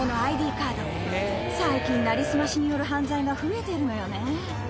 最近成り済ましによる犯罪が増えてるのよね。